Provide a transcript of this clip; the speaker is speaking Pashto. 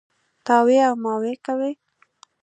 تاوې او ماوې کوي.